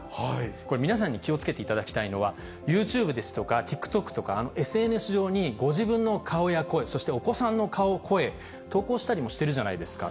これ、皆さんに気をつけていただきたいのは、ＹｏｕＴｕｂｅですとか、ＴｉｋＴｏｋとか、ＳＮＳ上にご自分の顔や声、そしてお子さんの顔や声、投稿したりもしてるじゃないですか。